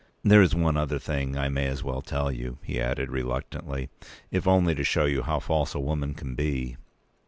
"There is one other thing I may as well tell you," he added, reluctantly, "if only to show you how false a woman can be.